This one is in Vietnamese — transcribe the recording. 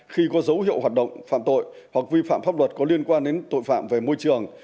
khi có dấu hiệu hoạt động phạm tội hoặc vi phạm pháp luật có liên quan đến tội phạm về môi trường